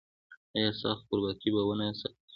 ایا ستاسو خپلواکي به و نه ساتل شي؟